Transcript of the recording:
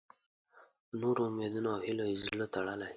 په نورو امیدونو او هیلو یې زړه تړلی.